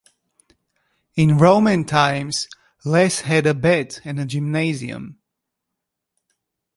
In Roman times, Las had a bath and a gymnasium.